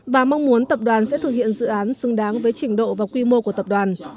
và mong muốn tập đoàn sẽ thực hiện dự án xứng đáng với trình độ và quy mô của tập đoàn